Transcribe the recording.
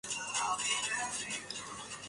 它也介绍和翻译过很多近代世界文学作品。